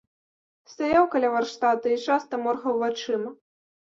Стаяў каля варштата і часта моргаў вачыма.